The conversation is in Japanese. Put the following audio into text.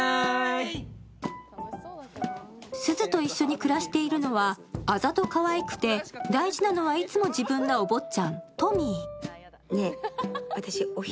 鈴と一緒に暮らしているのはあざとかわいくて大事なのはいつも自分名お坊ちゃん、富。